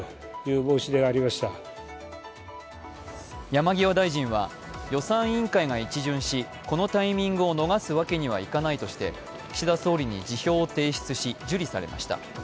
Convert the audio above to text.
山際大臣は予算委員会が一巡しこのタイミングを逃すわけにはいかないとして、岸田総理に辞表を提出し、受理されました。